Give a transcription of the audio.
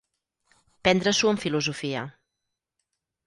Prendre-s'ho amb filosofia.